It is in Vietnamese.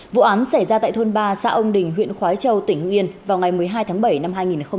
vụ án xảy ra tại thôn ba xã ông đình huyện khói châu tỉnh hưng yên vào ngày một mươi hai tháng bảy năm hai nghìn hai mươi ba